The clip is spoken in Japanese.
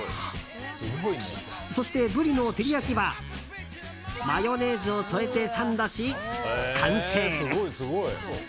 そして、ブリの照り焼きはマヨネーズを添えてサンドし完成です。